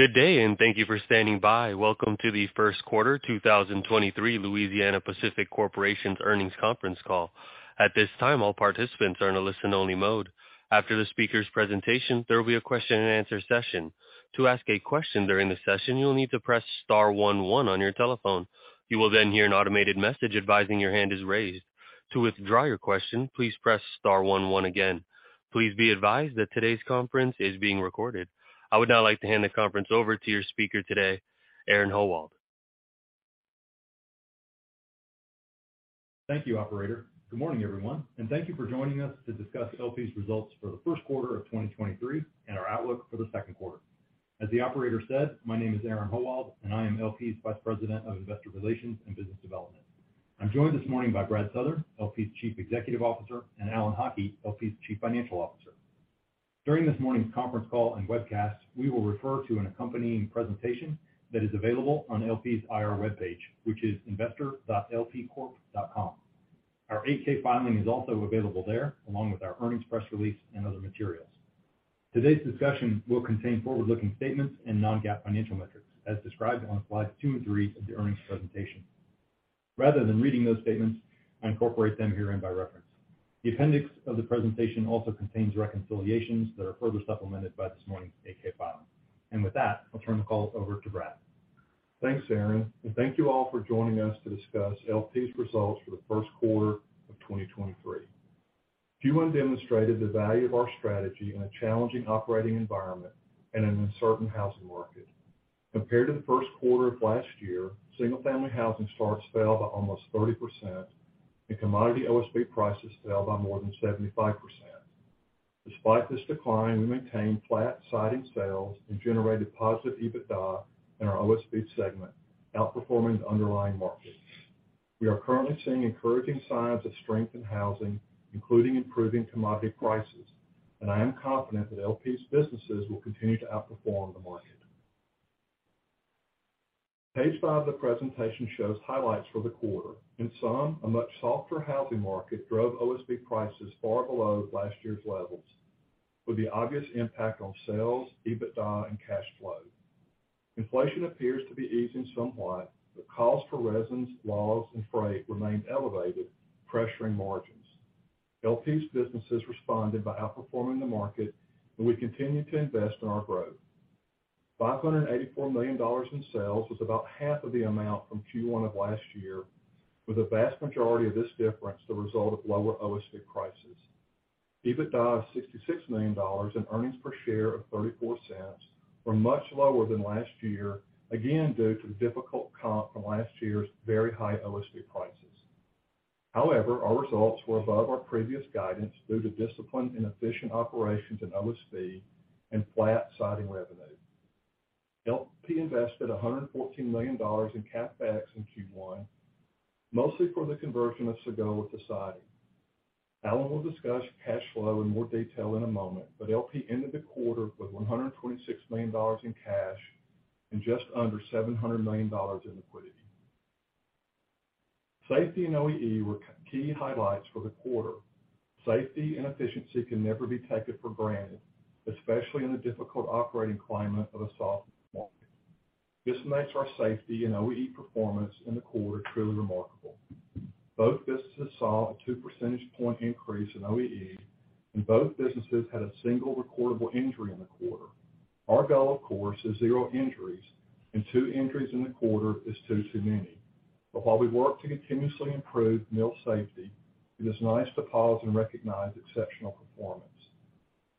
Good day, and thank you for standing by. Welcome to the first quarter 2023 Louisiana-Pacific Corporation's earnings conference call. At this time, all participants are in a listen-only mode. After the speaker's presentation, there will be a question-and-answer session. To ask a question during the session, you will need to press star one one on your telephone. You will then hear an automated message advising your hand is raised. To withdraw your question, please press star one one again. Please be advised that today's conference is being recorded. I would now like to hand the conference over to your speaker today, Aaron Howald. Thank you, operator. Good morning, everyone, thank you for joining us to discuss LP's results for the first quarter of 2023 and our outlook for the second quarter. As the operator said, my name is Aaron Howald, and I am LP's Vice President of Investor Relations and Business Development. I'm joined this morning by Brad Southern, LP's Chief Executive Officer, and Alan Haughie, LP's Chief Financial Officer. During this morning's conference call and webcast, we will refer to an accompanying presentation that is available on LP's IR webpage, which is investor.lpcorp.com. Our 8-K filing is also available there, along with our earnings press release and other materials. Today's discussion will contain forward-looking statements and non-GAAP financial metrics as described on slides two and three of the earnings presentation. Rather than reading those statements, I incorporate them herein by reference. The appendix of the presentation also contains reconciliations that are further supplemented by this morning's 8-K filing. With that, I'll turn the call over to Brad. Thanks, Aaron, and thank you all for joining us to discuss LP's results for the first quarter of 2023. Q1 demonstrated the value of our strategy in a challenging operating environment and in an uncertain housing market. Compared to the first quarter of last year, single-family housing starts fell by almost 30%, and commodity OSB prices fell by more than 75%. Despite this decline, we maintained flat siding sales and generated positive EBITDA in our OSB segment, outperforming the underlying markets. I am confident that LP's businesses will continue to outperform the market. Page five of the presentation shows highlights for the quarter. In sum, a much softer housing market drove OSB prices far below last year's levels with the obvious impact on sales, EBITDA, and cash flow. Inflation appears to be easing somewhat, costs for resins, logs, and freight remain elevated, pressuring margins. LP's businesses responded by outperforming the market, we continue to invest in our growth. $584 million in sales was about half of the amount from Q1 of last year, with the vast majority of this difference the result of lower OSB prices. EBITDA of $66 million and earnings per share of $0.34 were much lower than last year, again due to difficult comp from last year's very high OSB prices. Our results were above our previous guidance due to disciplined and efficient operations in OSB and flat siding revenue. LP invested $114 million in CapEx in Q1, mostly for the conversion of Sagola to siding. Alan will discuss cash flow in more detail in a moment, but LP ended the quarter with $126 million in cash and just under $700 million in liquidity. Safety and OEE were key highlights for the quarter. Safety and efficiency can never be taken for granted, especially in the difficult operating climate of a soft market. This makes our safety and OEE performance in the quarter truly remarkable. Both businesses saw a two percentage point increase in OEE, and both businesses had a single recordable injury in the quarter. Our goal, of course, is zero injuries, and two injuries in the quarter is too many. While we work to continuously improve mill safety, it is nice to pause and recognize exceptional performance.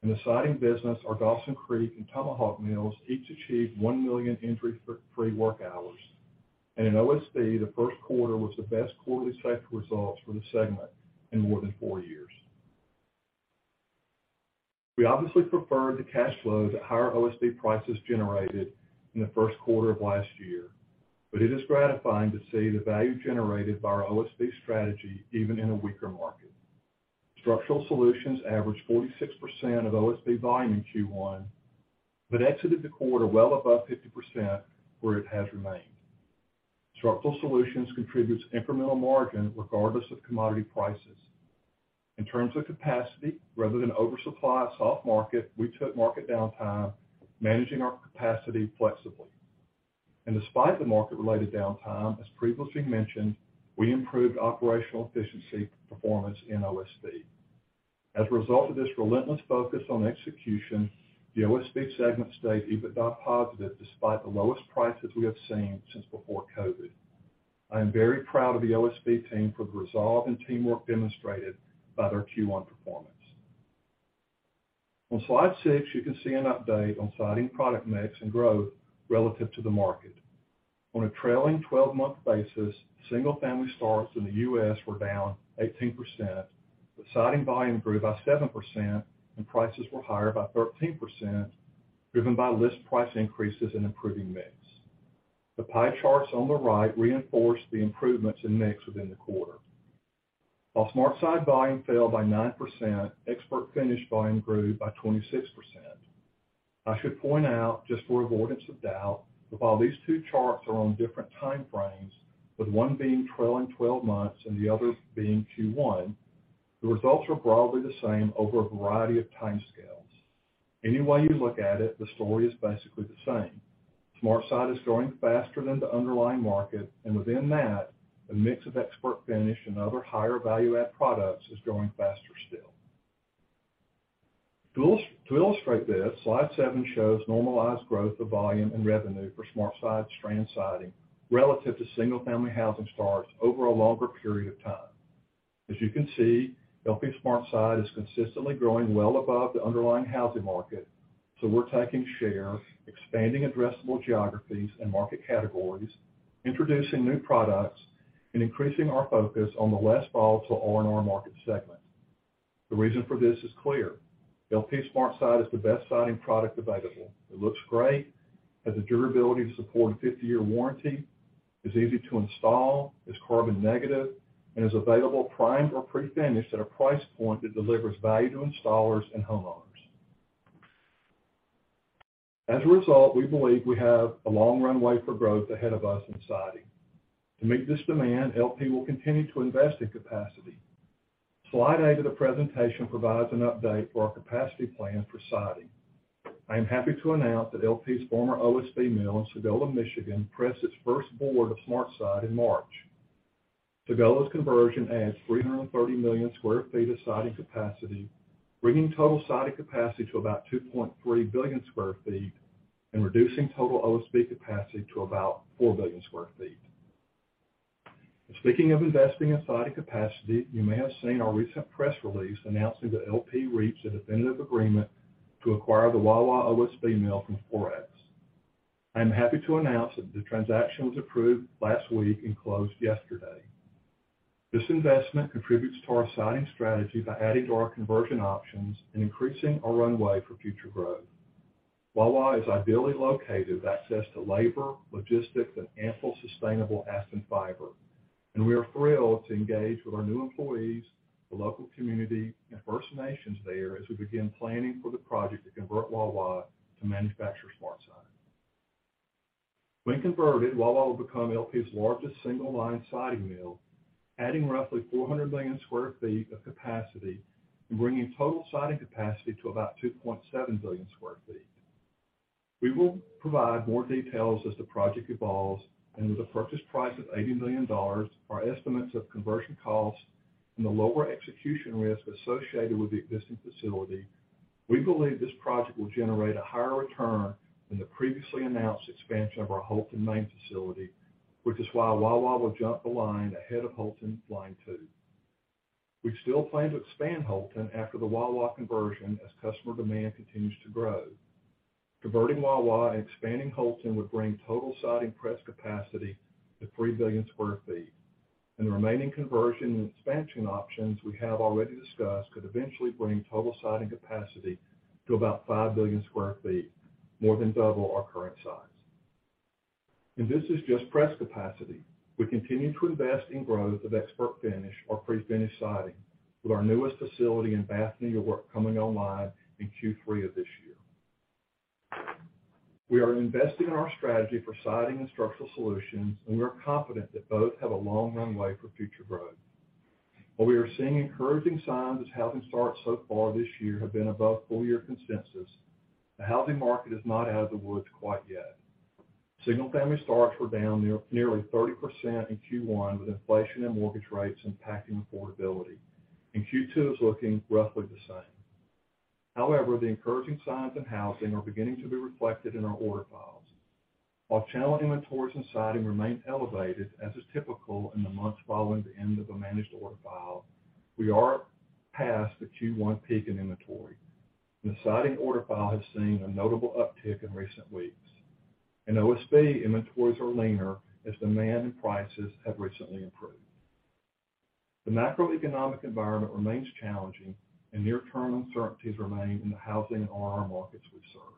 In the siding business, our Dawson Creek and Tomahawk mills each achieved 1 million injury-free work hours. In OSB, the first quarter was the best quarterly safety results for the segment in more than four years. We obviously prefer the cash flow that higher OSB prices generated in the first quarter of last year, but it is gratifying to see the value generated by our OSB strategy even in a weaker market. Structural Solutions averaged 46% of OSB volume in Q1, but exited the quarter well above 50%, where it has remained. Structural Solutions contributes incremental margin regardless of commodity prices. In terms of capacity, rather than oversupply a soft market, we took market downtime, managing our capacity flexibly. Despite the market-related downtime, as previously mentioned, we improved operational efficiency performance in OSB. As a result of this relentless focus on execution, the OSB segment stayed EBITDA positive despite the lowest prices we have seen since before COVID. I am very proud of the OSB team for the resolve and teamwork demonstrated by their Q1 performance. On slide six, you can see an update on siding product mix and growth relative to the market. On a trailing 12-month basis, single-family starts in the U.S. were down 18%, but siding volume grew by 7%, and prices were higher by 13%, driven by list price increases and improving mix. The pie charts on the right reinforce the improvements in mix within the quarter. While SmartSide volume fell by 9%, ExpertFinish volume grew by 26%. I should point out, just for avoidance of doubt, that while these two charts are on different time frames, with one being trailing 12 months and the other being Q1. The results are broadly the same over a variety of time scales. Any way you look at it, the story is basically the same. SmartSide is growing faster than the underlying market. Within that, the mix of ExpertFinish and other higher value-add products is growing faster still. To illustrate this, slide seven shows normalized growth of volume and revenue for SmartSide strand siding relative to single-family housing starts over a longer period of time. As you can see, LP SmartSide is consistently growing well above the underlying housing market. We're taking share, expanding addressable geographies and market categories, introducing new products, and increasing our focus on the less volatile R&R market segment. The reason for this is clear. LP SmartSide is the best siding product available. It looks great, has the durability to support a 50-year warranty, is easy to install, is carbon negative, and is available primed or pre-finished at a price point that delivers value to installers and homeowners. As a result, we believe we have a long runway for growth ahead of us in siding. To meet this demand, LP will continue to invest in capacity. Slide eight of the presentation provides an update for our capacity plan for siding. I am happy to announce that LP's former OSB mill in Sagola, Michigan, pressed its first board of SmartSide in March. Sagola's conversion adds 330 million sq ft of siding capacity, bringing total siding capacity to about 2.3 billion sq ft and reducing total OSB capacity to about 4 billion sq ft. Speaking of investing in siding capacity, you may have seen our recent press release announcing that LP reached a definitive agreement to acquire the Wawa OSB mill from Forex Inc. I am happy to announce that the transaction was approved last week and closed yesterday. This investment contributes to our siding strategy by adding to our conversion options and increasing our runway for future growth. Wawa is ideally located with access to labor, logistics, and ample sustainable aspen fiber, and we are thrilled to engage with our new employees, the local community, and First Nations there as we begin planning for the project to convert Wawa to manufacture SmartSide. When converted, Wawa will become LP's largest single-line siding mill, adding roughly 400 million sq ft of capacity and bringing total siding capacity to about 2.7 billion sq ft. We will provide more details as the project evolves, with a purchase price of $80 million, our estimates of conversion costs, and the lower execution risk associated with the existing facility, we believe this project will generate a higher return than the previously announced expansion of our Houlton, Maine facility, which is why Wawa will jump the line ahead of Houlton line two. We still plan to expand Houlton after the Wawa conversion as customer demand continues to grow. Converting Wawa and expanding Houlton would bring total siding press capacity to 3 billion sq ft. The remaining conversion and expansion options we have already discussed could eventually bring total siding capacity to about 5 billion sq ft, more than double our current size. This is just press capacity. We continue to invest in growth of ExpertFinish or pre-finished siding with our newest facility in Bath, New York, coming online in Q3 of this year. We are investing in our strategy for siding and structural solutions, we are confident that both have a long runway for future growth. We are seeing encouraging signs as housing starts so far this year have been above full-year consensus, the housing market is not out of the woods quite yet. Single-family starts were down nearly 30% in Q1, with inflation and mortgage rates impacting affordability, Q2 is looking roughly the same. The encouraging signs in housing are beginning to be reflected in our order files. Channel inventories in siding remain elevated, as is typical in the months following the end of a managed order file, we are past the Q1 peak in inventory. The siding order file has seen a notable uptick in recent weeks. In OSB, inventories are leaner as demand and prices have recently improved. The macroeconomic environment remains challenging and near-term uncertainties remain in the housing and R&R markets we serve.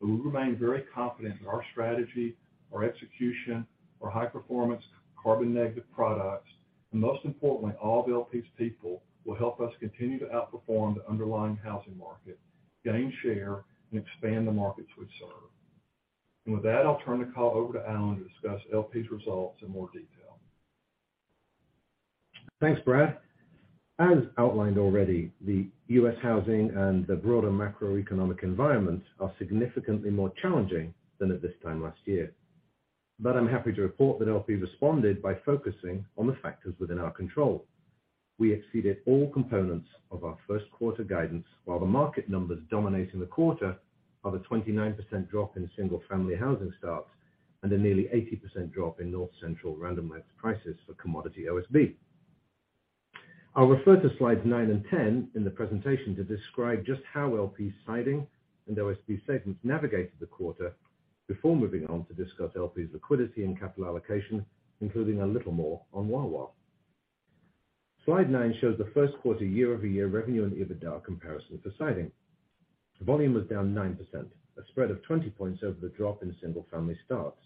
We remain very confident that our strategy, our execution, our high-performance carbon negative products, and most importantly, all of LP's people, will help us continue to outperform the underlying housing market, gain share, and expand the markets we serve. With that, I'll turn the call over to Alan to discuss LP's results in more detail. Thanks, Brad. As outlined already, the U.S. housing and the broader macroeconomic environment are significantly more challenging than at this time last year. I'm happy to report that LP responded by focusing on the factors within our control. We exceeded all components of our first quarter guidance, while the market numbers dominating the quarter are the 29% drop in single-family housing starts and a nearly 80% drop in North Central Random Lengths prices for commodity OSB. I'll refer to slides nine and 10 in the presentation to describe just how LP's siding and OSB segments navigated the quarter before moving on to discuss LP's liquidity and capital allocation, including a little more on Wawa. Slide nine shows the first quarter year-over-year revenue and EBITDA comparison for siding. Volume was down 9%, a spread of 20 points over the drop in single-family starts.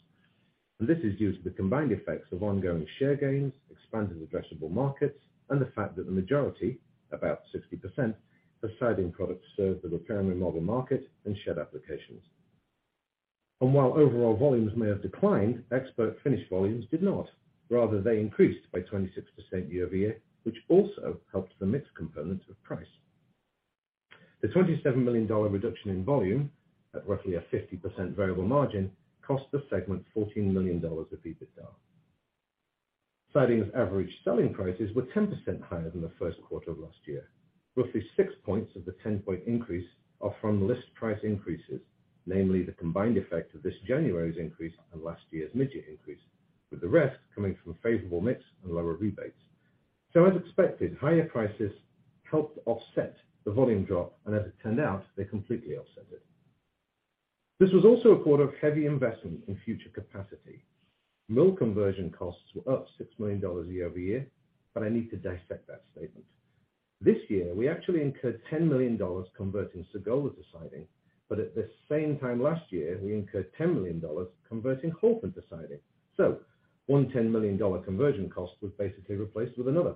This is due to the combined effects of ongoing share gains, expanded addressable markets, and the fact that the majority, about 60%, of siding products serve the repair and remodel market and shed applications. While overall volumes may have declined, ExpertFinish volumes did not. Rather, they increased by 26% year-over-year, which also helped the mix component of price. The $27 million reduction in volume at roughly a 50% variable margin cost the segment $14 million of EBITDA. Siding's average selling prices were 10% higher than the first quarter of last year. Roughly six points of the 10-point increase are from list price increases, namely the combined effect of this January's increase and last year's mid-year increase, with the rest coming from favorable mix and lower rebates. As expected, higher prices helped offset the volume drop, and as it turned out, they completely offset it. This was also a quarter of heavy investment in future capacity. Mill conversion costs were up $6 million year-over-year. I need to dissect that statement. This year, we actually incurred $10 million converting Sagola to siding. At the same time last year, we incurred $10 million converting Houlton to siding. One $10 million conversion cost was basically replaced with another.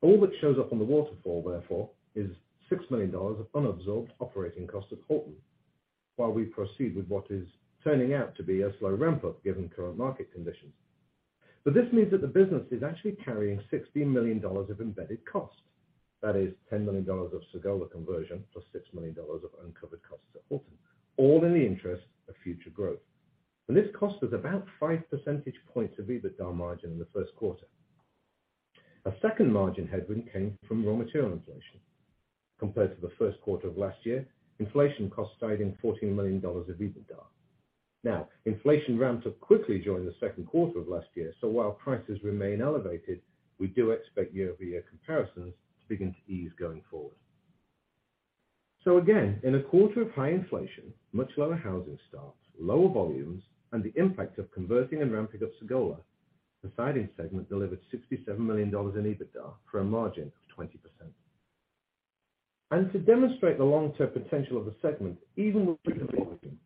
All that shows up on the waterfall, therefore, is $6 million of unabsorbed operating costs at Houlton while we proceed with what is turning out to be a slow ramp-up given current market conditions. This means that the business is actually carrying $16 million of embedded costs. That is $10 million of Sagola conversion, +$6 million of uncovered costs at Houlton, all in the interest of future growth. This cost was about five percentage points of EBITDA margin in the first quarter. A second margin headwind came from raw material inflation. Compared to the first quarter of last year, inflation costs siding $14 million of EBITDA. Inflation ramped up quickly during the second quarter of last year, so while prices remain elevated, we do expect year-over-year comparisons to begin to ease going forward. Again, in a quarter of high inflation, much lower housing starts, lower volumes, and the impact of converting and ramping up Sagola, the siding segment delivered $67 million in EBITDA for a margin of 20%. To demonstrate the long-term potential of the segment, even with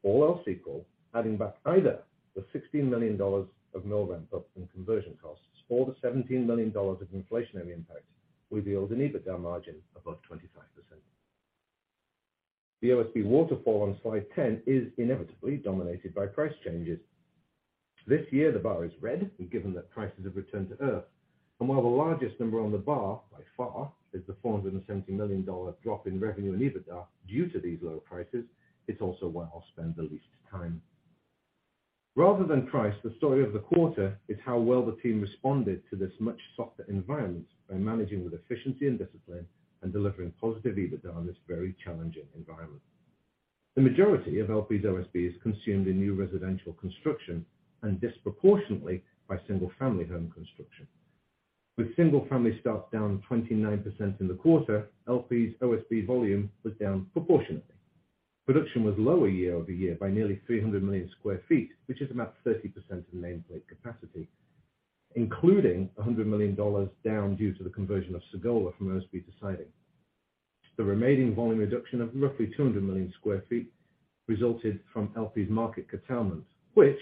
all else equal, adding back either the $16 million of mill ramp-up and conversion costs or the $17 million of inflationary impact, we build an EBITDA margin above 25%. The OSB waterfall on slide 10 is inevitably dominated by price changes. This year, the bar is red, given that prices have returned to Earth, while the largest number on the bar, by far, is the $470 million drop in revenue and EBITDA due to these lower prices, it's also where I'll spend the least time. Rather than price, the story of the quarter is how well the team responded to this much softer environment by managing with efficiency and discipline and delivering positive EBITDA in this very challenging environment. The majority of LP's OSB is consumed in new residential construction and disproportionately by single-family home construction. With single-family starts down 29% in the quarter, LP's OSB volume was down proportionately. Production was lower year-over-year by nearly 300 million sq ft, which is about 30% of nameplate capacity, including $100 million down due to the conversion of Sagola from OSB to siding. The remaining volume reduction of roughly 200 million sq ft resulted from LP's market curtailment, which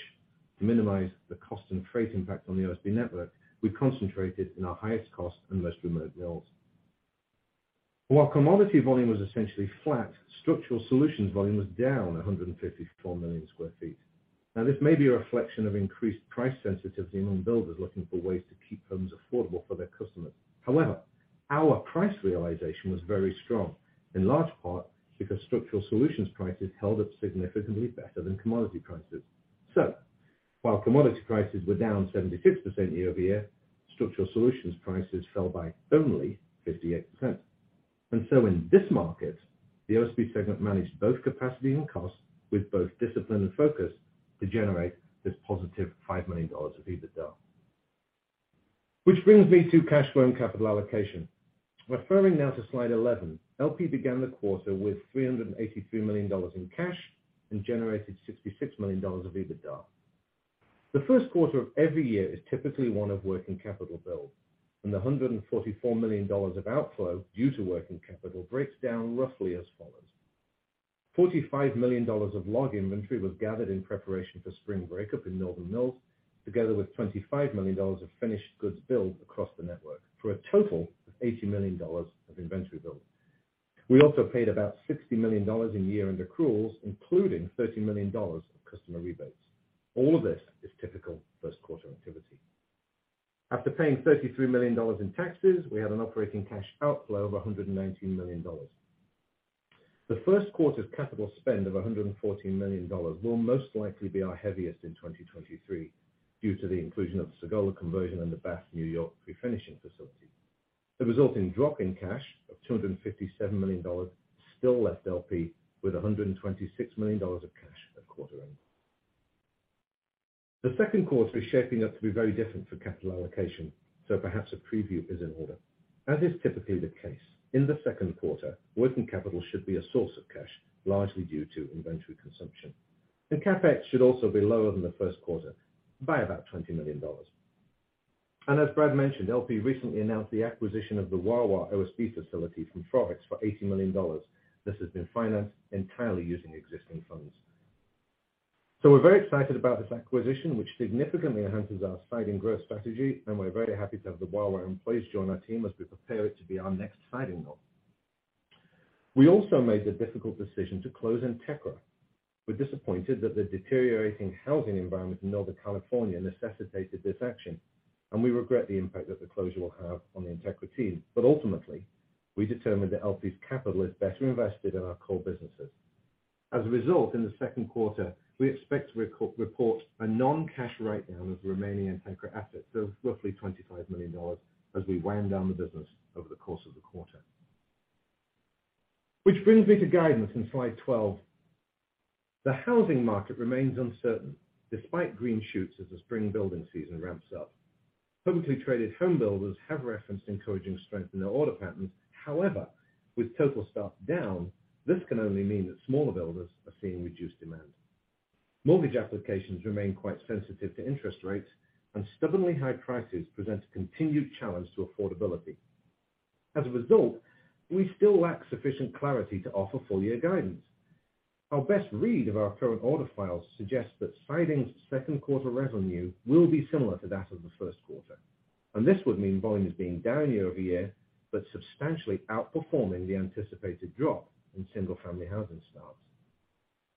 minimized the cost and trade impact on the OSB network we concentrated in our highest cost and most remote mills. While commodity volume was essentially flat, Structural Solutions volume was down 154 million sq ft. Now, this may be a reflection of increased price sensitivity among builders looking for ways to keep homes affordable for their customers. Our price realization was very strong, in large part because Structural Solutions prices held up significantly better than commodity prices. While commodity prices were down 76% year-over-year, Structural Solutions prices fell by only 58%. In this market, the OSB segment managed both capacity and cost with both discipline and focus to generate this positive $5 million of EBITDA. Which brings me to cash flow and capital allocation. Referring now to slide 11, LP began the quarter with $383 million in cash and generated $66 million of EBITDA. The first quarter of every year is typically one of working capital build. The $144 million of outflow due to working capital breaks down roughly as follows: $45 million of log inventory was gathered in preparation for spring breakup in Northern Mills, together with $25 million of finished goods build across the network, for a total of $80 million of inventory build. We also paid about $60 million in year-end accruals, including $30 million of customer rebates. All of this is typical first quarter activity. After paying $33 million in taxes, we had an operating cash outflow of $119 million. The first quarter's capital spend of $114 million will most likely be our heaviest in 2023 due to the inclusion of the Sagola conversion and the Bath, New York prefinishing facility. The resulting drop in cash of $257 million still left LP with $126 million of cash at quarter end. The second quarter is shaping up to be very different for capital allocation, perhaps a preview is in order. As is typically the case, in the second quarter, working capital should be a source of cash largely due to inventory consumption. CapEx should also be lower than the first quarter by about $20 million. As Brad mentioned, LP recently announced the acquisition of the Wawa OSB facility from Forex Inc. for $80 million. This has been financed entirely using existing funds. We're very excited about this acquisition, which significantly enhances our Siding growth strategy, and we're very happy to have the Wawa employees join our team as we prepare it to be our next Siding mill. We also made the difficult decision to close Entekra. We're disappointed that the deteriorating housing environment in Northern California necessitated this action. We regret the impact that the closure will have on the Entekra team. Ultimately, we determined that LP's capital is better invested in our core businesses. As a result, in the second quarter, we expect to report a non-cash writedown of the remaining Entekra assets of roughly $25 million as we wind down the business over the course of the quarter. Which brings me to guidance on slide 12. The housing market remains uncertain despite green shoots as the spring building season ramps up. Publicly traded home builders have referenced encouraging strength in their order patterns. However, with total stocks down, this can only mean that smaller builders are seeing reduced demand. Mortgage applications remain quite sensitive to interest rates, stubbornly high prices present a continued challenge to affordability. As a result, we still lack sufficient clarity to offer full year guidance. Our best read of our current order files suggests that Siding's second quarter revenue will be similar to that of the first quarter, and this would mean volumes being down year-over-year, but substantially outperforming the anticipated drop in single-family housing starts.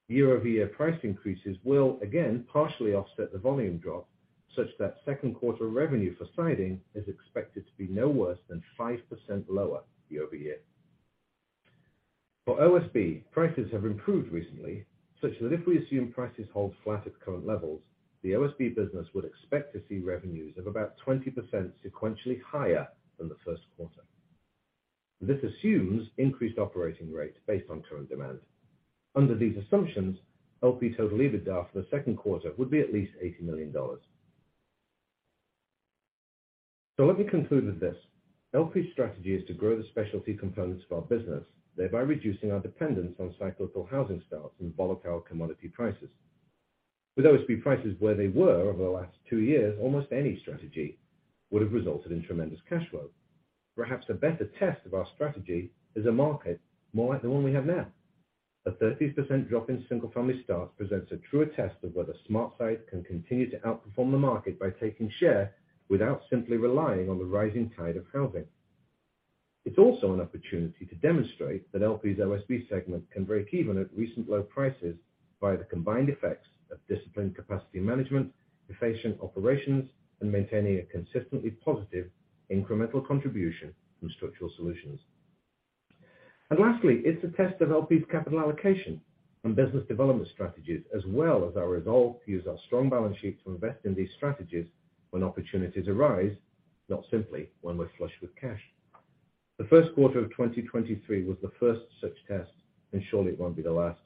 Year-over-year price increases will again partially offset the volume drop such that second quarter revenue for Siding is expected to be no worse than 5% lower year-over-year. For OSB, prices have improved recently, such that if we assume prices hold flat at current levels, the OSB business would expect to see revenues of about 20% sequentially higher than the first quarter. This assumes increased operating rates based on current demand. Under these assumptions, LP total EBITDA for the second quarter would be at least $80 million. Let me conclude with this. LP's strategy is to grow the specialty components of our business, thereby reducing our dependence on cyclical housing starts and volatile commodity prices. With OSB prices where they were over the last two years, almost any strategy would have resulted in tremendous cash flow. Perhaps a better test of our strategy is a market more like the one we have now. A 30% drop in single-family starts presents a truer test of whether SmartSide can continue to outperform the market by taking share without simply relying on the rising tide of housing. It's also an opportunity to demonstrate that LP's OSB segment can break even at recent low prices via the combined effects of disciplined capacity management, efficient operations, and maintaining a consistently positive incremental contribution from Structural Solutions. Lastly, it's a test of LP's capital allocation and business development strategies as well as our resolve to use our strong balance sheet to invest in these strategies when opportunities arise, not simply when we're flush with cash. The first quarter of 2023 was the first such test, and surely it won't be the last.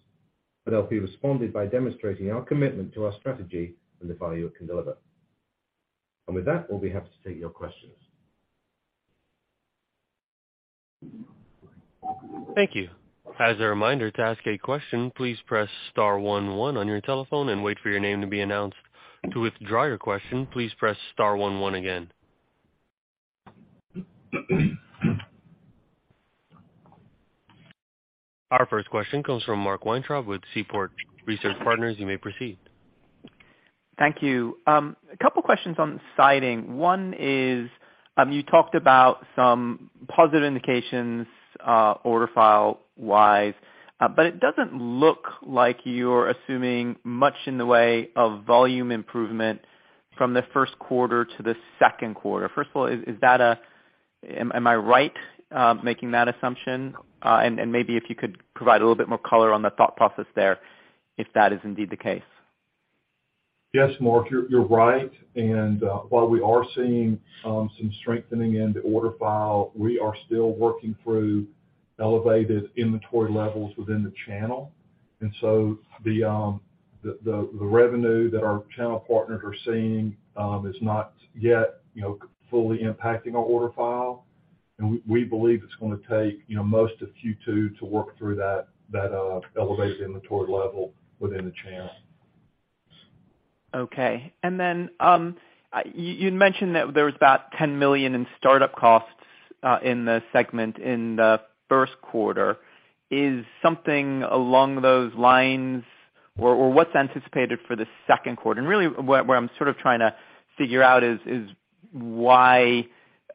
LP responded by demonstrating our commitment to our strategy and the value it can deliver. With that, we'll be happy to take your questions. Thank you. As a reminder to ask a question, please press star one one on your telephone and wait for your name to be announced. To withdraw your question, please press star one one again. Our first question comes from Mark Weintraub with Seaport Research Partners. You may proceed. Thank you. A couple questions on Siding. One is, you talked about some positive indications, order file-wise, but it doesn't look like you're assuming much in the way of volume improvement from the first quarter to the second quarter. First of all, is that? Am I right, making that assumption? Maybe if you could provide a little bit more color on the thought process there, if that is indeed the case. Yes, Mark, you're right. While we are seeing some strengthening in the order file, we are still working through elevated inventory levels within the channel. The revenue that our channel partners are seeing is not yet, you know, fully impacting our order file. We believe it's gonna take, you know, most of Q2 to work through that elevated inventory level within the channel. Okay. You'd mentioned that there was about $10 million in start-up costs in the segment in the first quarter. Is something along those lines or what's anticipated for the second quarter? Really what I'm sort of trying to figure out is why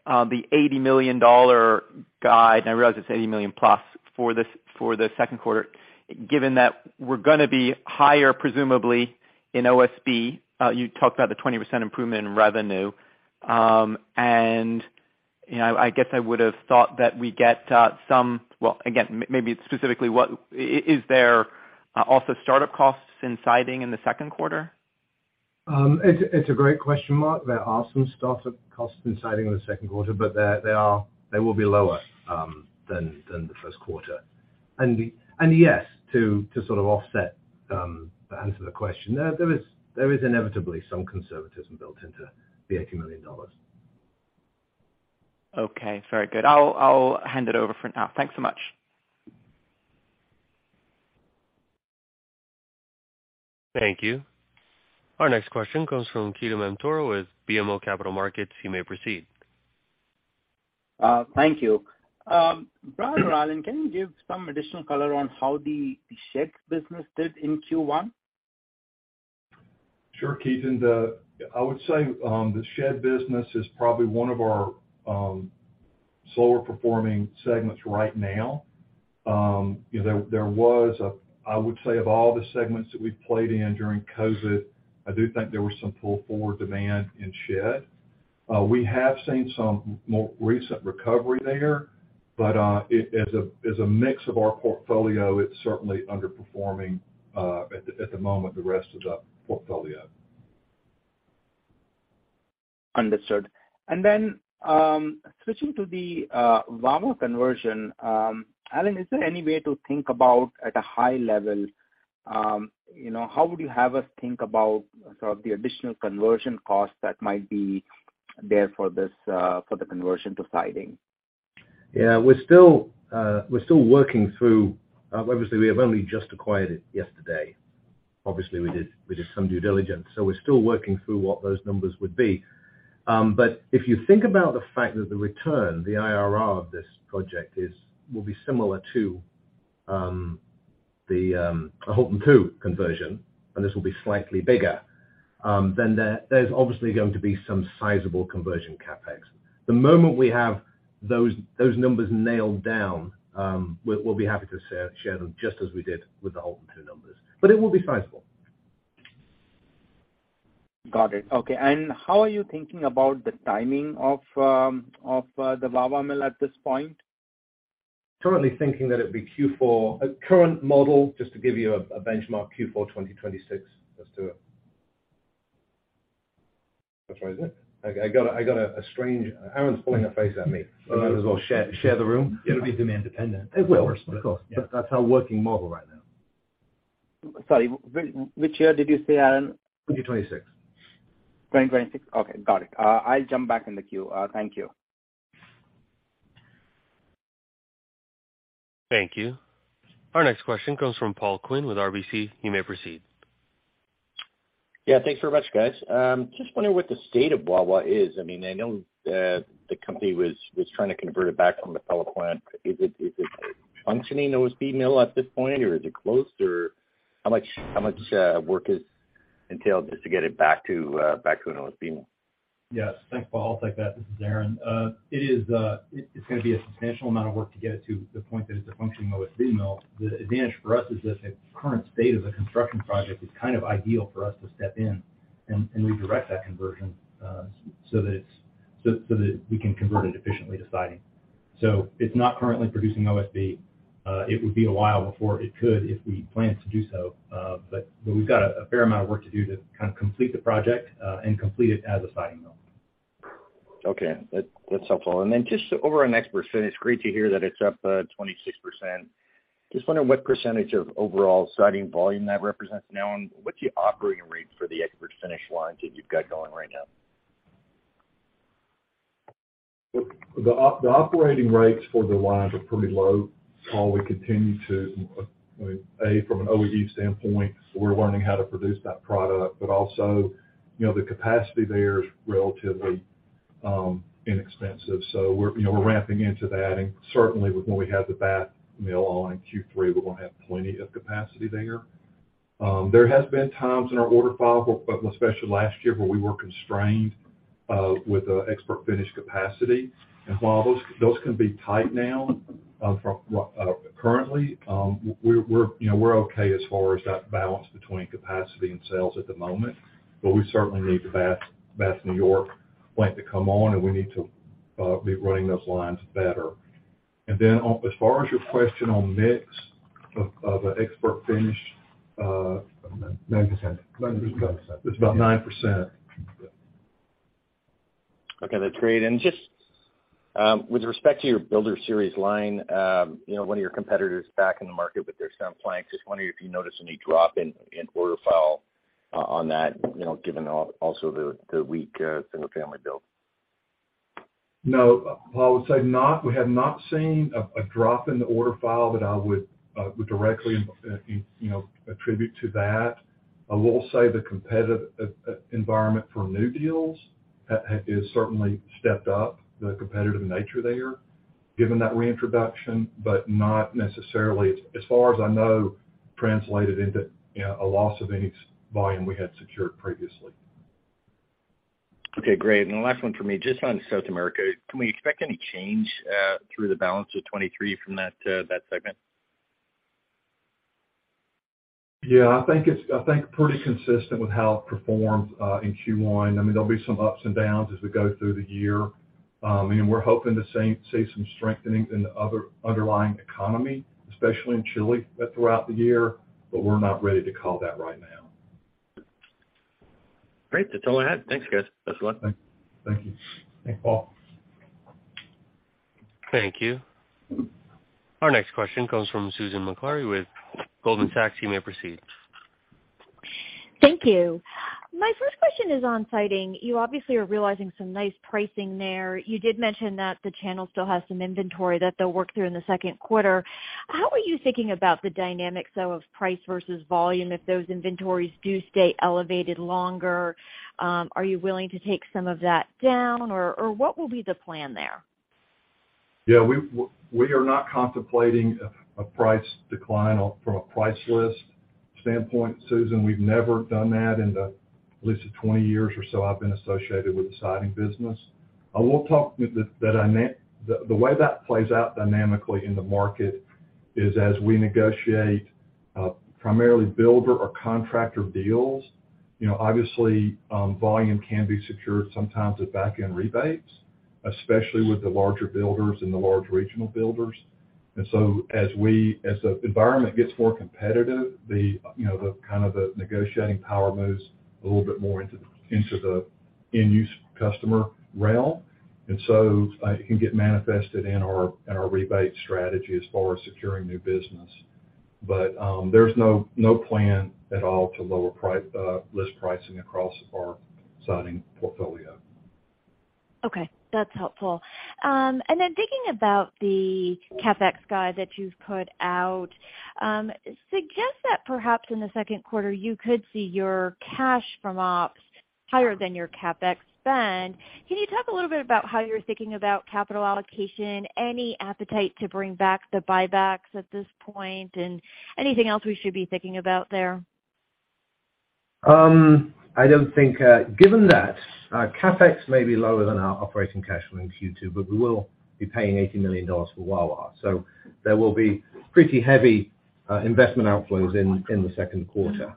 the $80 million guide, and I realize it's $80 million+, for the second quarter, given that we're gonna be higher, presumably, in OSB. You talked about the 20% improvement in revenue. You know, I guess I would've thought that we'd get some... Well, again, maybe specifically what, is there also start-up costs in Siding in the second quarter? It's a great question, Mark. There are some start-up costs in Siding in the second quarter, but they will be lower than the first quarter. Yes, to sort of offset the answer to the question, there is inevitably some conservatism built into the $80 million. Okay, very good. I'll hand it over for now. Thanks so much. Thank you. Our next question comes from Ketan Mamtora with BMO Capital Markets. You may proceed. Thank you. Brad or Alan, can you give some additional color on how the shed business did in Q1? Sure, Keith. I would say the Shed business is probably one of our slower performing segments right now. You know, there was I would say of all the segments that we've played in during COVID, I do think there was some pull-forward demand in Shed. We have seen some more recent recovery there, but it as a mix of our portfolio, it's certainly underperforming at the moment the rest of the portfolio. Understood. Switching to the Wawa conversion, Alan, is there any way to think about at a high level, you know, how would you have us think about sort of the additional conversion costs that might be there for this for the conversion to siding? We're still working through, obviously we have only just acquired it yesterday. Obviously, we did some due diligence, so we're still working through what those numbers would be. If you think about the fact that the return, the IRR of this project is, will be similar to the Houlton Two conversion, and this will be slightly bigger, then there's obviously going to be some sizable conversion CapEx. The moment we have those numbers nailed down, we'll be happy to share them just as we did with the Houlton Two numbers. It will be sizable. Got it. Okay. How are you thinking about the timing of the Wawa mill at this point? Currently thinking that it'd be Q4. A current model, just to give you a benchmark, Q4 2026 as to... I'm sorry, is it? I got a strange... Aaron's pulling a face at me. Might as well share the room. It'll be demand dependent. It will. Of course. Yeah. That's our working model right now. Sorry. Which year did you say, Alan? 2026. 2026? Okay. Got it. I'll jump back in the queue. Thank you. Thank you. Our next question comes from Paul Quinn with RBC. You may proceed. Yeah. Thanks very much, guys. Just wondering what the state of Wawa is. I mean, I know, the company was trying to convert it back from the curtailed plant. Is it a functioning OSB mill at this point, or is it closed? How much work is entailed just to get it back to an OSB mill? Yes. Thanks, Paul. I'll take that. This is Aaron. It's gonna be a substantial amount of work to get it to the point that it's a functioning OSB mill. The advantage for us is that the current state of the construction project is kind of ideal for us to step in and redirect that conversion so that we can convert it efficiently to siding. It's not currently producing OSB. It would be a while before it could if we planned to do so. We've got a fair amount of work to do to kind of complete the project and complete it as a siding mill. Okay. That's helpful. Then just over on ExpertFinish, great to hear that it's up 26%. Just wondering what percentage of overall siding volume that represents now and what's the operating rates for the ExpertFinish lines that you've got going right now? The operating rates for the lines are pretty low, Paul. We continue to, you know, A, from an OEE standpoint, we're learning how to produce that product. Also, you know, the capacity there is relatively inexpensive. We're, you know, we're ramping into that. Certainly with when we have the Bath mill online in Q3, we're gonna have plenty of capacity there. There has been times in our order file, but especially last year, where we were constrained with ExpertFinish capacity. While those can be tight now, from currently, we're, you know, we're okay as far as that balance between capacity and sales at the moment, but we certainly need the Bath New York plant to come on, we need to be running those lines better. as far as your question on mix of the ExpertFinish 9%. 9%. It's about 9%. Okay. That's great. Just, with respect to your LP BuilderSeries line, you know, one of your competitors back in the market with their strand plank, just wondering if you noticed any drop in order file on that, you know, given also the weak single-family build. No. Paul, I would say not, we have not seen a drop in the order file that I would directly, you know, attribute to that. I will say the competitive environment for new deals has certainly stepped up the competitive nature there given that reintroduction, but not necessarily, as far as I know, translated into, you know, a loss of any volume we had secured previously. Okay. Great. The last one for me, just on South America. Can we expect any change through the balance of 2023 from that segment? Yeah. I think it's pretty consistent with how it performed in Q1. I mean, there'll be some ups and downs as we go through the year. We're hoping to see some strengthening in the other underlying economy, especially in Chile throughout the year. We're not ready to call that right now. Great. That's all I had. Thanks, guys. Best of luck. Thank you. Thanks, Paul. Thank you. Our next question comes from Susan Maklari with Goldman Sachs. You may proceed. Thank you. My first question is on siding. You obviously are realizing some nice pricing there. You did mention that the channel still has some inventory that they'll work through in the second quarter. How are you thinking about the dynamics, though, of price versus volume if those inventories do stay elevated longer? Are you willing to take some of that down, or what will be the plan there? We are not contemplating a price decline or from a price list standpoint, Susan Maklari. We've never done that in the at least 20 years or so I've been associated with the siding business. The way that plays out dynamically in the market is as we negotiate, primarily builder or contractor deals, you know, obviously, volume can be secured sometimes with back-end rebates, especially with the larger builders and the large regional builders. As the environment gets more competitive, the, you know, kind of the negotiating power moves a little bit more into the end-use customer realm. It can get manifested in our rebate strategy as far as securing new business. There's no plan at all to lower list pricing across our siding portfolio. Okay, that's helpful. Thinking about the CapEx guide that you've put out, suggests that perhaps in the second quarter you could see your cash from ops higher than your CapEx spend. Can you talk a little bit about how you're thinking about capital allocation, any appetite to bring back the buybacks at this point, and anything else we should be thinking about there? I don't think, given that our CapEx may be lower than our operating cash flow in Q2, but we will be paying $80 million for Wawa. There will be pretty heavy investment outflows in the second quarter.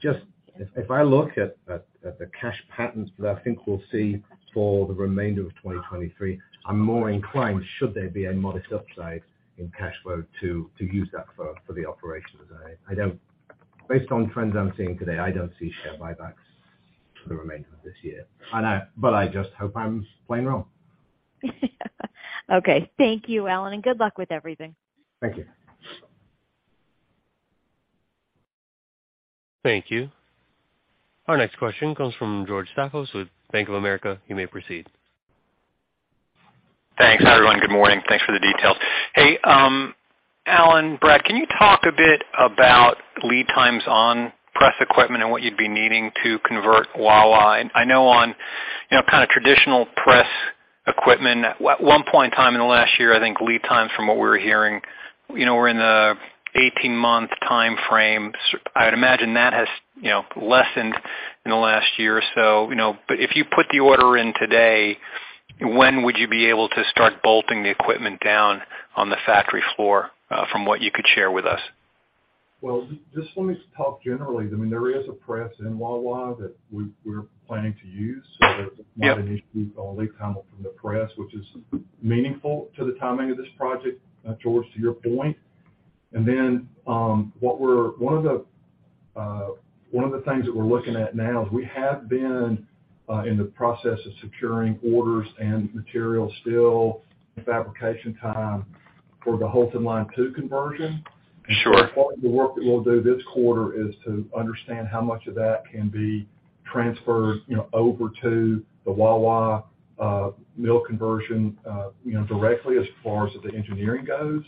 If I look at the cash patterns that I think we'll see for the remainder of 2023, I'm more inclined, should there be a modest upside in cash flow, to use that for the operations. Based on trends I'm seeing today, I don't see share buybacks for the remainder of this year. I just hope I'm plain wrong. Okay. Thank you, Alan, and good luck with everything. Thank you. Thank you. Our next question comes from George Staphos with Bank of America. You may proceed. Thanks. Hi, everyone. Good morning. Thanks for the details. Hey, Alan, Brad, can you talk a bit about lead times on press equipment and what you'd be needing to convert Wawa? I know on, you know, kind of traditional press equipment, at one point in time in the last year, I think lead times from what we were hearing, you know, were in the 18-month timeframe. I would imagine that has, you know, lessened in the last year or so, you know. If you put the order in today, when would you be able to start bolting the equipment down on the factory floor, from what you could share with us? Well, just let me talk generally. I mean, there is a press in Wawa that we're planning to use. Yep. not an issue with the lead time from the press, which is meaningful to the timing of this project, George, to your point. One of the things that we're looking at now is we have been, in the process of securing orders and material still fabrication time for the Houlton Line Two conversion. Sure. Part of the work that we'll do this quarter is to understand how much of that can be transferred, you know, over to the Wawa mill conversion, you know, directly as far as the engineering goes.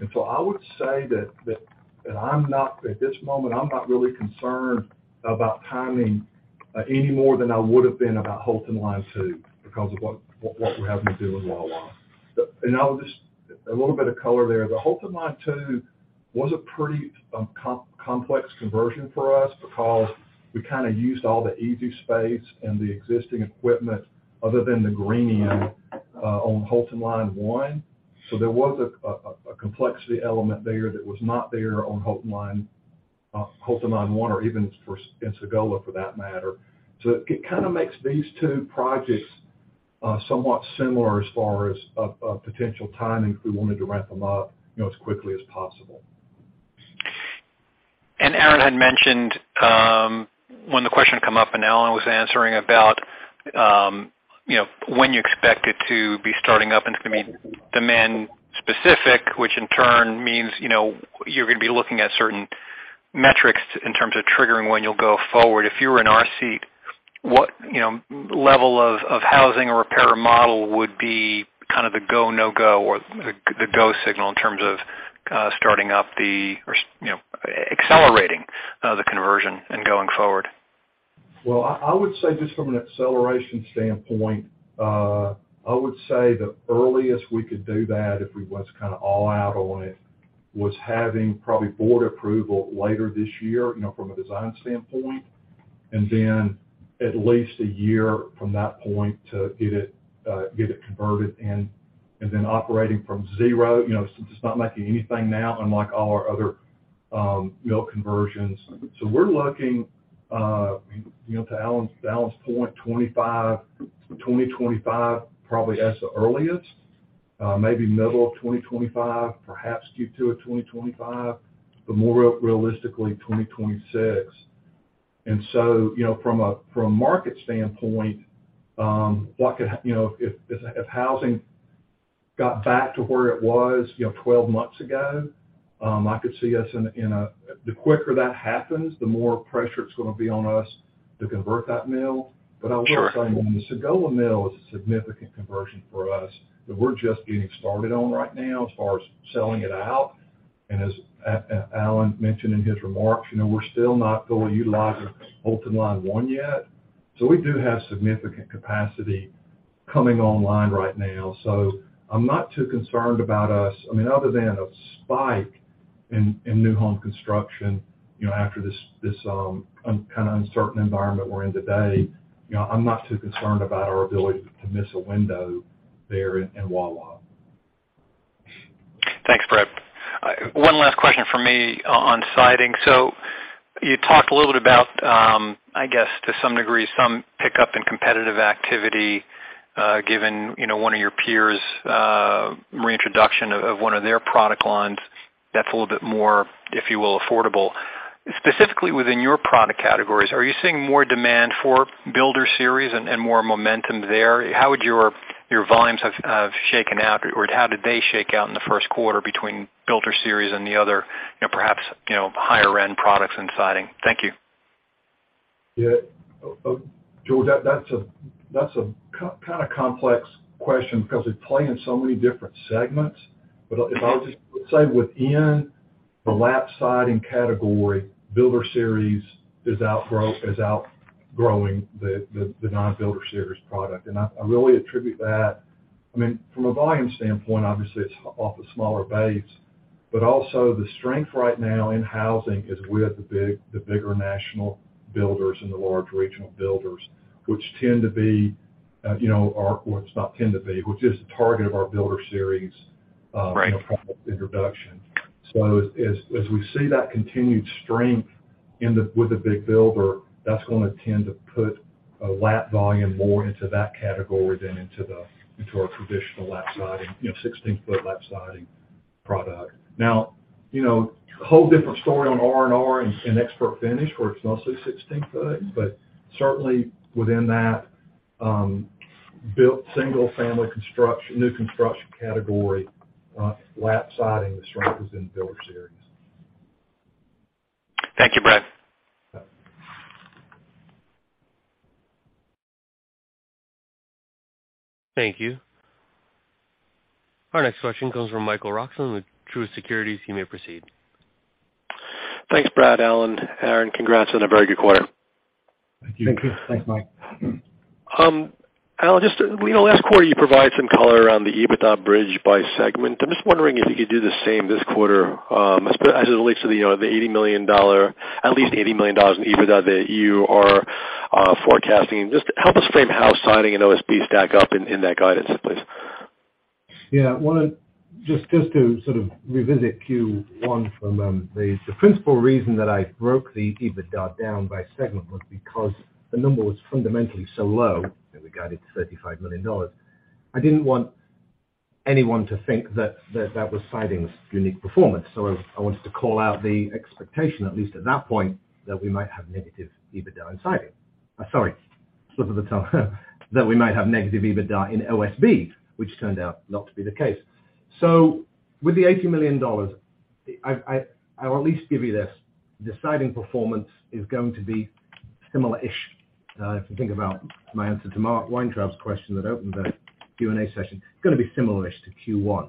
I would say that at this moment, I'm not really concerned about timing any more than I would have been about Houlton Line Two because of what we're having to do in Wawa. I'll just... A little bit of color there. The Houlton Line Two was a pretty complex conversion for us because we kinda used all the easy space and the existing equipment other than the greening on Houlton Line One. There was a complexity element there that was not there on Houlton Line One or even for Sagola for that matter. It kinda makes these two projects somewhat similar as far as potential timing if we wanted to ramp them up, you know, as quickly as possible. Aaron Howald had mentioned, when the question come up and Alan Haughie was answering about, you know, when you expect it to be starting up and it's gonna be demand specific, which in turn means, you know, you're gonna be looking at certain metrics in terms of triggering when you'll go forward. If you were in our seat, what, you know, level of housing or repair model would be kind of the go, no-go or the go signal in terms of starting up the, you know, accelerating the conversion and going forward? I would say just from an acceleration standpoint, I would say the earliest we could do that if we was kinda all out on it was having probably board approval later this year, you know, from a design standpoint, and then at least a year from that point to get it converted and then operating from zero, you know, since it's not making anything now, unlike all our other mill conversions. We're looking, you know, to Alan's point, 2025 probably as the earliest, maybe middle of 2025, perhaps Q2 of 2025, but more realistically, 2026. You know, from a, from a market standpoint, you know, if, if housing got back to where it was, you know, 12 months ago, I could see us in a, in a. The quicker that happens, the more pressure it's gonna be on us to convert that mill. Sure. I will say the Sagola mill is a significant conversion for us that we're just getting started on right now as far as selling it out. As Alan mentioned in his remarks, you know, we're still not fully utilizing Houlton line One yet. We do have significant capacity coming online right now. I'm not too concerned about us. I mean, other than a spike in new home construction, you know, after this kind of uncertain environment we're in today, you know, I'm not too concerned about our ability to miss a window there in Wawa. Thanks, Brad. One last question from me on siding. You talked a little bit about, I guess, to some degree, some pickup in competitive activity, given, you know, one of your peers' reintroduction of one of their product lines that's a little bit more, if you will, affordable. Specifically within your product categories, are you seeing more demand for LP BuilderSeries and more momentum there? How would your volumes have shaken out, or how did they shake out in the first quarter between LP BuilderSeries and the other, you know, perhaps, you know, higher-end products and siding? Thank you. George, that's a kind of complex question because we play in so many different segments. If I'll just say within the lap siding category, LP BuilderSeries is outgrowing the non-LP BuilderSeries product. I really attribute that, I mean, from a volume standpoint, obviously it's off a smaller base, but also the strength right now in housing is with the bigger national builders and the large regional builders, which tend to be, you know, Well, it's not tend to be, which is the target of our LP BuilderSeries. Right... you know, product introduction. As we see that continued strength with the big builder, that's gonna tend to put a lap volume more into that category than into the, into our traditional lap siding, you know, 16-foot lap siding product. Now, you know, whole different story on R&R and ExpertFinish, where it's mostly 16-foot. Certainly within that built single family new construction category, lap siding, the strength is in Builder Series. Thank you, Brad. Yeah. Thank you. Our next question comes from Michael Roxland with Truist Securities. You may proceed. Thanks, Brad, Alan, Aaron. Congrats on a very good quarter. Thank you. Thank you. Thanks, Michael. Alan, just, you know, last quarter you provided some color around the EBITDA bridge by segment. I'm just wondering if you could do the same this quarter, as it relates to the, you know, at least $80 million in EBITDA that you are forecasting. Just help us frame how siding and OSB stack up in that guidance, please. Well, just to sort of revisit Q1. The principal reason that I broke the EBITDA down by segment was because the number was fundamentally so low, and we guided to $35 million. I didn't want anyone to think that that was siding's unique performance. I wanted to call out the expectation, at least at that point, that we might have negative EBITDA in siding. Sorry, slipped of the tongue, that we might have negative EBITDA in OSB, which turned out not to be the case. With the $80 million, I'll at least give you this. The siding performance is going to be similarish. If you think about my answer to Mark Weintraub's question that opened the Q and A session, it's gonna be similarish to Q1.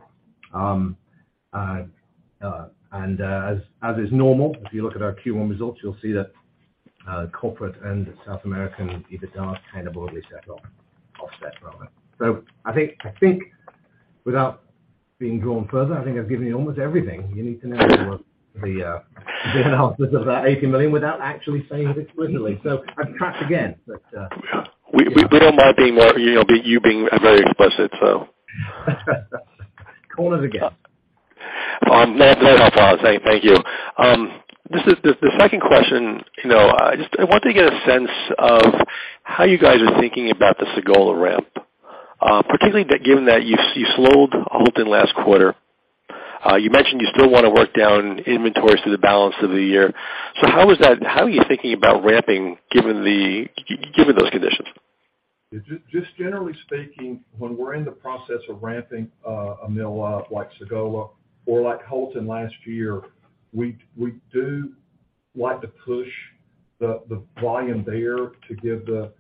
As is normal, if you look at our Q1 results, you'll see that corporate and South American EBITDAs kind of broadly set off, offset rather. I think without being drawn further, I think I've given you almost everything you need to know about the analysis of that $80 million without actually saying it explicitly. I've trapped again. But. We don't mind being more, you know, you being very explicit, so. Call it again. No, I'm glad I thought. Thank you. This is the second question. You know, I wanted to get a sense of how you guys are thinking about the Sagola ramp, particularly that, given that you slowed Houlton last quarter. You mentioned you still wanna work down inventories to the balance of the year. How are you thinking about ramping given the given those conditions? Just generally speaking, when we're in the process of ramping a mill, like Sagola or like Houlton last year, we do like to push the volume there to give the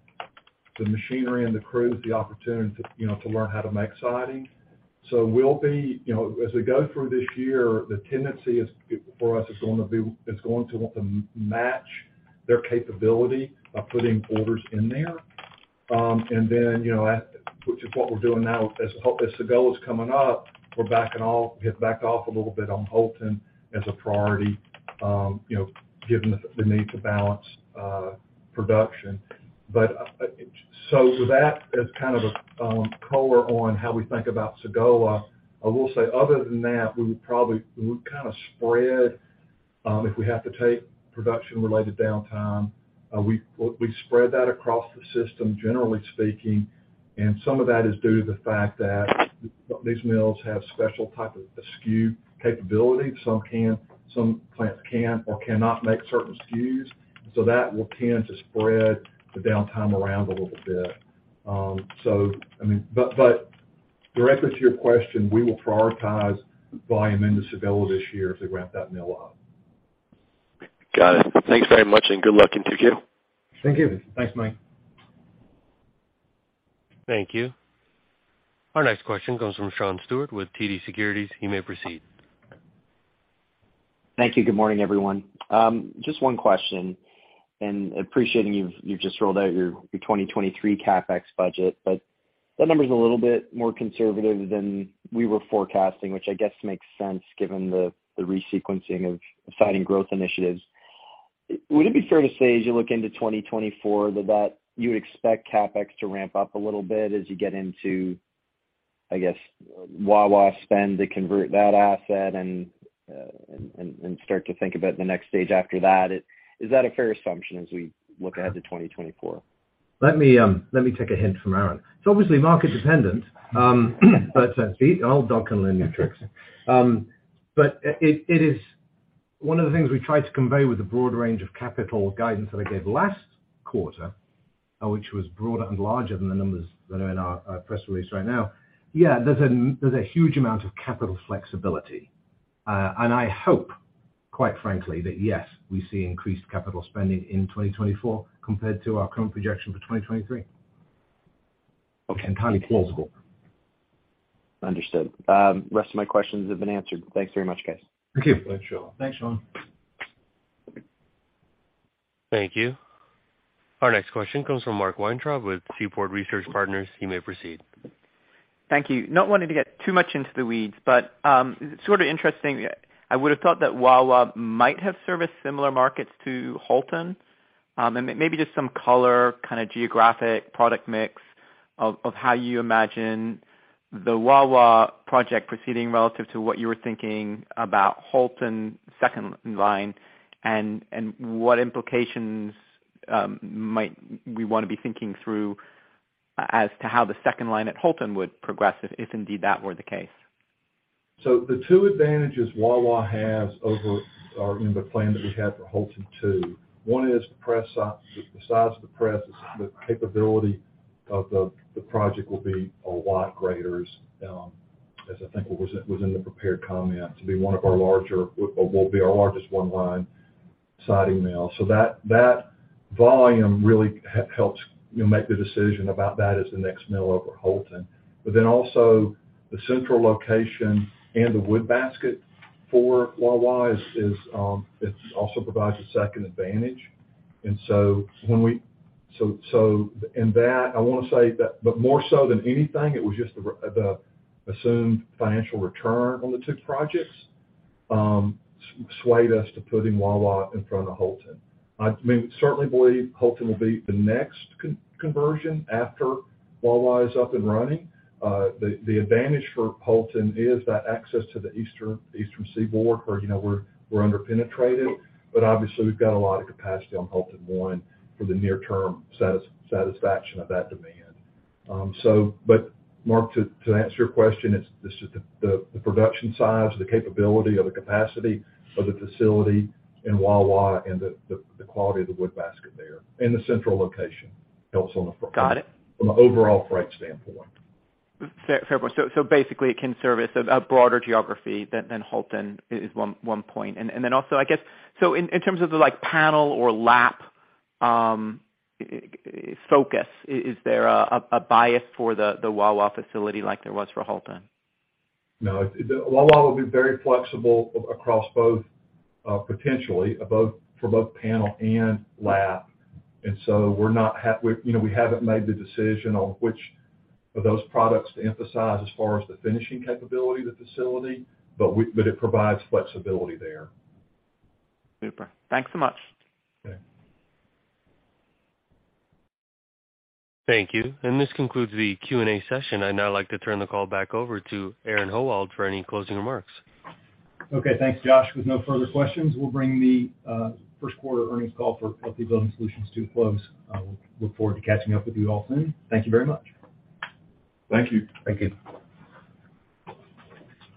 machinery and the crews the opportunity to, you know, to learn how to make siding. We'll be, you know, as we go through this year, the tendency is, for us it's going to be, it's going to want to match their capability of putting orders in there. Then, you know, which is what we're doing now, as Sagola is coming up, we're backing off, get back off a little bit on Houlton as a priority, you know, given the need to balance production. That is kind of polar on how we think about Sagola. I will say other than that, we would kind of spread if we have to take production-related downtime, we spread that across the system, generally speaking. Some of that is due to the fact that these mills have special type of SKU capability. Some plants can or cannot make certain SKUs, that will tend to spread the downtime around a little bit. I mean, but directly to your question, we will prioritize volume into Sagola this year as we ramp that mill up. Got it. Thanks very much and good luck in 2Q. Thank you. Thanks, Mike. Thank you. Our next question comes from Sean Steuart with TD Securities. You may proceed. Thank you. Good morning, everyone. Just one question, and appreciating you've just rolled out your 2023 CapEx budget, but that number's a little bit more conservative than we were forecasting, which I guess makes sense given the resequencing of siding growth initiatives. Would it be fair to say as you look into 2024 that you would expect CapEx to ramp up a little bit as you get into, I guess, Wawa spend to convert that asset and start to think about the next stage after that? Is that a fair assumption as we look ahead to 2024? Let me take a hint from Aaron. It's obviously market dependent. It is one of the things we tried to convey with the broad range of capital guidance that I gave last quarter, which was broader and larger than the numbers that are in our press release right now. Yeah, there's a huge amount of capital flexibility. I hope, quite frankly, that, yes, we see increased capital spending in 2024 compared to our current projection for 2023. Understood. Rest of my questions have been answered. Thanks very much, guys. Thank you. Thanks, Sean. Thanks, Sean. Thank you. Our next question comes from Mark Weintraub with Seaport Research Partners. You may proceed. Thank you. Not wanting to get too much into the weeds, but sort of interesting, I would have thought that Wawa might have serviced similar markets to Houlton. Maybe just some color, kinda geographic product mix of how you imagine the Wawa project proceeding relative to what you were thinking about Houlton second line and what implications might we wanna be thinking through as to how the second line at Houlton would progress if indeed that were the case. The two advantages Wawa has over or in the plan that we have for Houlton Two. One is the size of the press, the capability of the project will be a lot greater, as I think it was, it was in the prepared comment to be one of our larger or will be our largest one line siding mill. That, that volume really helps, you know, make the decision about that as the next mill over Houlton. Also the central location and the wood basket for Wawa is, it also provides a second advantage. That, I wanna say that, but more so than anything, it was just the assumed financial return on the two projects, swayed us to putting Wawa in front of Houlton. I mean, certainly believe Houlton will be the next conversion after Wawa is up and running. The advantage for Houlton is that access to the eastern seaboard where, you know, we're under-penetrated, but obviously we've got a lot of capacity on Houlton One for the near term satisfaction of that demand. Mark, to answer your question, it's just the production size, the capability of the capacity of the facility in Wawa and the quality of the wood basket there, and the central location helps on the front. Got it. From an overall freight standpoint. Fair point. Basically it can service a broader geography than Houlton is one point. Then also, I guess in terms of the like panel or lap focus, is there a bias for the Wawa facility like there was for Houlton? No. Wawa will be very flexible across both, potentially both, for both panel and lap. You know, we haven't made the decision on which of those products to emphasize as far as the finishing capability of the facility, but it provides flexibility there. Super. Thanks so much. Okay. Thank you. This concludes the Q and A session. I'd now like to turn the call back over to Aaron Howald for any closing remarks. Okay. Thanks, Josh. With no further questions, we'll bring the first quarter earnings call for LP Building Solutions to a close. I will look forward to catching up with you all soon. Thank you very much. Thank you. Thank you.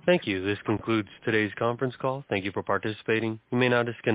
Thank you. This concludes today's conference call. Thank you for participating. You may now disconnect.